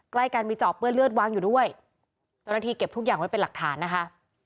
ใกล้กันมีจอบเปื้อนเลือดวางอยู่ด้วยเจ้าหน้าที่เก็บทุกอย่างไว้เป็นหลักฐานนะคะ